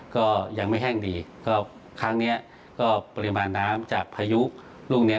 ก็ยังไม่แห้งดีก็ครั้งเนี้ยก็ปริมาณน้ำจากพายุลูกนี้